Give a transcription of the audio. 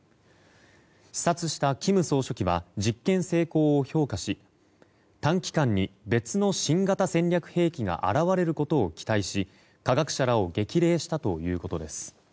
視察した金総書記は実験成功を評価し短期間に別の新型戦略兵器が現れることを期待し科学者らを激励したということです。